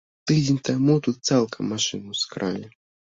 Тыдзень таму тут цалкам машыну скралі.